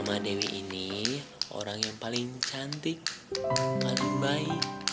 mama dewi ini orang yang paling cantik paling baik